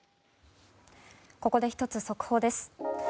ここで１つ速報です。